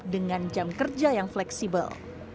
dengan jam kerja yang fleksibel